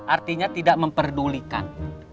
artinya tidak memperdulikan